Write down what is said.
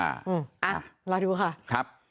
อ่ารอดูค่ะ